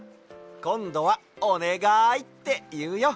こんどは「おねがい！」っていうよ。